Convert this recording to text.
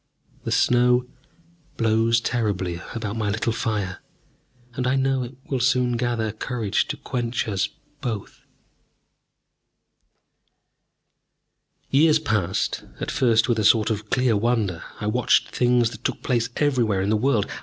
The snow blows terribly about my little fire, and I know it will soon gather courage to quench us both ...Years passed, at first with a sort of clear wonder. I watched things that took place everywhere in the world.